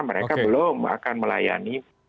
mereka belum akan melayani